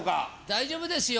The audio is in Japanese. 大丈夫ですよ